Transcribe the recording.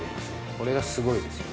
これがすごいですよね。